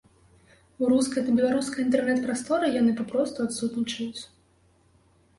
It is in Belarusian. У рускай ды беларускай інтэрнэт-прасторы яны папросту адсутнічаюць.